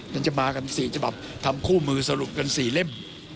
มันจะมากัน๔ฉบับทำคู่มือสรุปกัน๔เล่ม